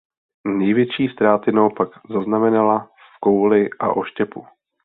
Největší ztráty naopak zaznamenala v kouli a oštěpu.